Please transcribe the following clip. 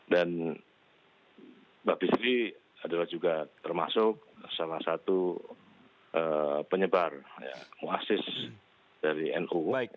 dan mbah bisri adalah juga termasuk salah satu penyebar muasis dari nu